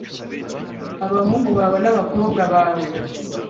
Abahungu bawe n’abakobwa bawe